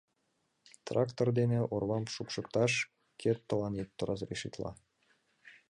— Трактор дене орвам шупшыкташ кӧ тыланет разрешитла?